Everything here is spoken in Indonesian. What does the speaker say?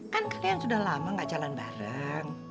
kan kalian sudah lama gak jalan bareng